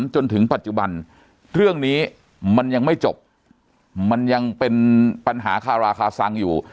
จนถึงปัจจุบันเรื่องนี้มันยังไม่จบมันยังเป็นปัญหาคาราคาซังอยู่